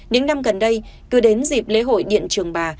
những năm gần đây cứ đến dịp lễ hội điện trường bà